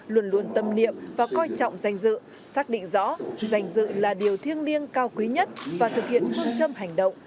luôn luôn tâm niệm và coi trọng danh dự xác định rõ danh dự là điều thiêng liêng cao quý nhất và thực hiện phương châm hành động